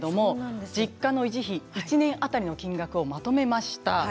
実家の維持費、１年当たりの金額をまとめました。